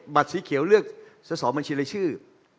บัตรสีเขียวเลือกเสามันชิลชื่อ